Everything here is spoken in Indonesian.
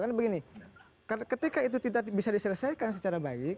karena begini ketika itu tidak bisa diselesaikan secara baik